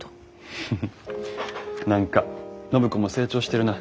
フフッ何か暢子も成長してるな。